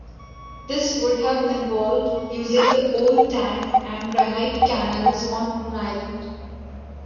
This would have involved using the old tanks and granite canals on Moon Island.